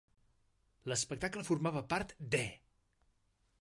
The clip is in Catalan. L'espectacle formava part d'E!